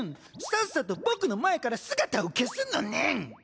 さっさと僕の前から姿を消すのねん。